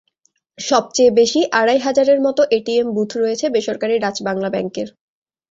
সবচেয়ে বেশি আড়াই হাজারের মতো এটিএম বুথ রয়েছে বেসরকারি ডাচ্-বাংলা ব্যাংকের।